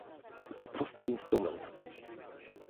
po prostu instrument